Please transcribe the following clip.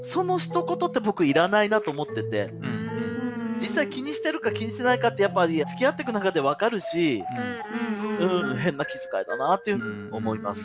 実際気にしてるか気にしてないかってつきあっていく中で分かるし変な気遣いだなって思います。